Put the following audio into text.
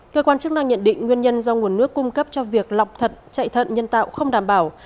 cơ quan chức năng nhận định nguyên nhân do nguồn nước cung cấp cho việc lọc thật chạy thận nhân tạo không đảm bảo